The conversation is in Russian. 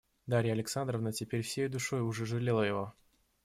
Дарья Александровна теперь всею душой уже жалела его.